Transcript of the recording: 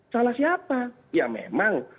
salah siapa ya memang